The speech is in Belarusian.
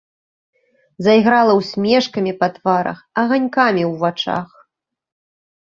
Зайграла ўсмешкамі па тварах, аганькамі ў вачах.